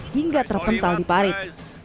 hingga terpental di parit